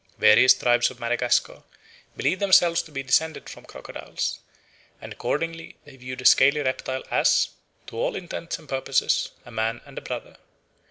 Various tribes of Madagascar believe themselves to be descended from crocodiles, and accordingly they view the scaly reptile as, to all intents and purposes, a man and a brother.